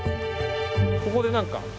ここで何か。